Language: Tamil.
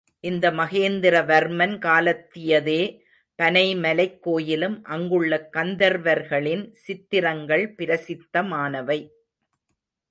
இந்த மகேந்திர வர்மன் காலத்தியதே பனைமலைக் கோயிலும் அங்குள்ள கந்தர்வர்களின் சித்திரங்கள் பிரசித்தமானவை.